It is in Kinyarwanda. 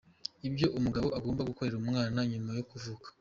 Ibyo umugabo agomba gukorera umwana nyuma yo kuvuka .